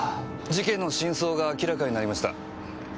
事件の真相が明らかになりました。